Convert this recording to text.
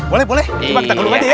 boleh boleh coba kita keluar aja ya